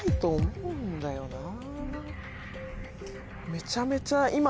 めちゃめちゃ今。